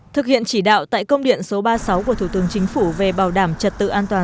thực hiện chỉ đạo tại công điện số ba mươi sáu của thủ tướng chính phủ về bảo đảm trật tự an toàn